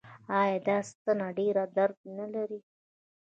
ایا دا ستنه ډیر درد لري؟